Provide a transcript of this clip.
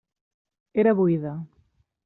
Era buida.